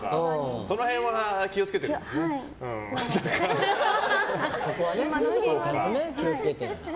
その辺は気を付けてるんですね。